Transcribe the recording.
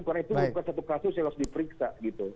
karena itu bukan satu kasus yang harus diperiksa gitu